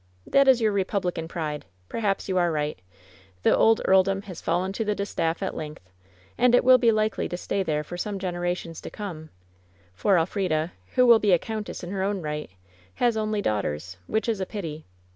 "That is your republican pride. Perhaps you are right. The old earldom has fallen to the distaff at length, and it will be likely to stay there for some gen erations to come; for Elfrida, who will be a countess in her own right, has only daughters, which is a pity.